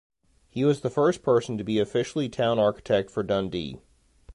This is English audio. He was the first person to be officially Town Architect for Dundee.